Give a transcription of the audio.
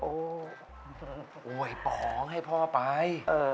โอ้ยปองให้พ่อไป